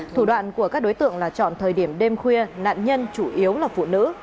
thủ đoạn của các đối tượng là chọn thời điểm đêm khuya nạn nhân chủ yếu là phụ nữ